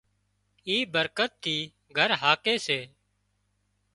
اي برڪت ٿِي گھر هاڪي سي